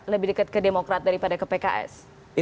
lebih dekat ke demokrat daripada ke pks